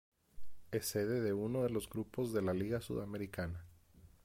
Es sede de uno de los grupos de la Liga Sudamericana.